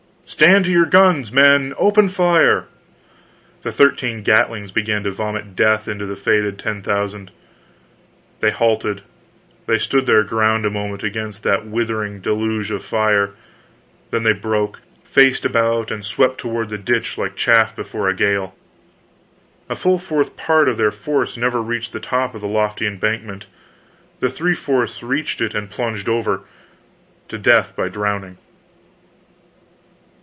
"Stand to your guns, men! Open fire!" The thirteen gatlings began to vomit death into the fated ten thousand. They halted, they stood their ground a moment against that withering deluge of fire, then they broke, faced about and swept toward the ditch like chaff before a gale. A full fourth part of their force never reached the top of the lofty embankment; the three fourths reached it and plunged over to death by drowning.